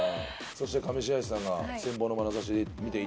そして上白石さんが羨望のまなざしで見ていた１２番。